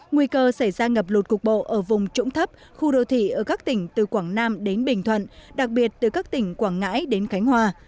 nguy cơ xảy ra ngập lụt cục bộ ở vùng trũng thấp khu đô thị ở các tỉnh từ quảng nam đến bình thuận đặc biệt từ các tỉnh quảng ngãi đến khánh hòa